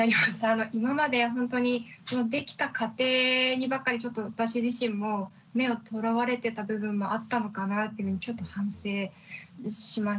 今までほんとにできた過程にばかりちょっと私自身も目をとらわれてた部分もあったのかなっていうふうにちょっと反省しましたし